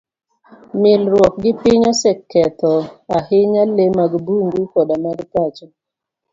Milruok gi piny oseketho ahinya le mag bungu koda mag pacho.